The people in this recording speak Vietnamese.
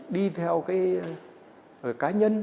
đi theo cái cá nhân